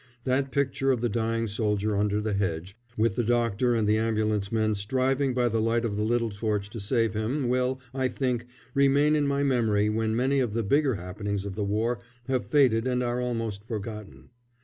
That picture of the dying soldier under the hedge, with the doctor and the ambulance men striving by the light of the little torch to save him, will, I think, remain in my memory when many of the bigger happenings of the war have faded and are almost forgotten.